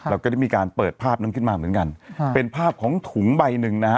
เราก็ได้มีการเปิดภาพนั้นขึ้นมาเหมือนกันเป็นภาพของถุงใบหนึ่งนะฮะ